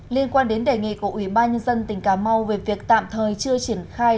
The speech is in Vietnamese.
liên quan đến đề nghị của ủy ban nhân dân tỉnh cà mau về việc tạm thời chưa triển khai